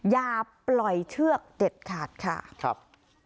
อย่าปล่อยเชือกเด็ดขาดค่ะครับ